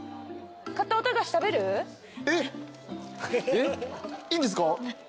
えっいいんですか？